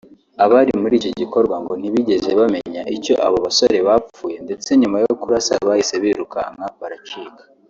Abari muri icyo gikorwa ngo ntibigeze bamenya icyo abo basore bapfuye ndetse nyuma yo kurasa bahise birukanka baracika